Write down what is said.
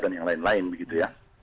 dan yang lain lain begitu ya